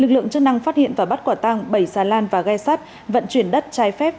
lực lượng chức năng phát hiện và bắt quả tăng bảy xà lan và ghe sắt vận chuyển đất trái phép